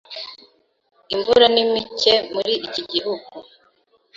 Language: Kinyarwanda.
Imvura ni mike muri iki gihugu.